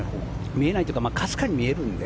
見えないというかかすかに見えるので。